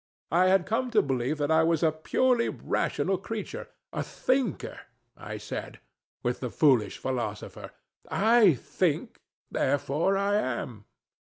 I had come to believe that I was a purely rational creature: a thinker! I said, with the foolish philosopher, "I think; therefore I am."